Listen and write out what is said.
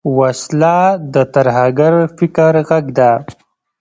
وسله د ترهګر فکر غږ ده